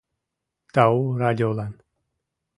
Тау радиолан!